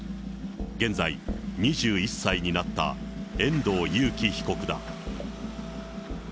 現在２１歳になった遠藤裕喜被告だ。